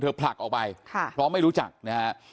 ผลักออกไปเพราะไม่รู้จักนะฮะ